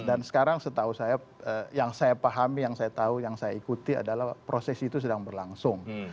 dan sekarang setahu saya yang saya pahami yang saya tahu yang saya ikuti adalah proses itu sedang berlangsung